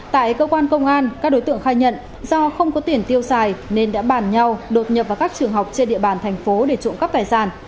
tại cơ quan công an các đối tượng khai nhận do không có tiền tiêu xài nên đã bàn nhau đột nhập vào các trường học trên địa bàn thành phố để trộm cắp tài sản